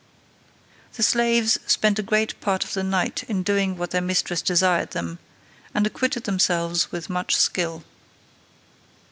The slaves spent a great part of the night in doing what their mistress desired them, and acquitted themselves with much skill.